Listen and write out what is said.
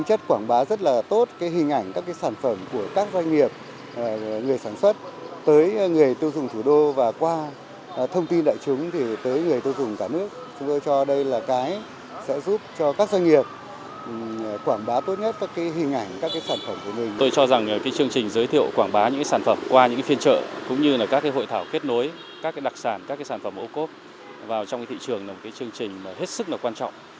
cũng như các hội thảo kết nối các đặc sản các sản phẩm ô cốp vào trong thị trường là một chương trình hết sức quan trọng